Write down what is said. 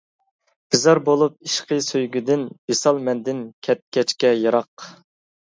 بىزار بولۇپ ئىشقى-سۆيگۈدىن، ۋىسال مەندىن كەتكەچكە يىراق.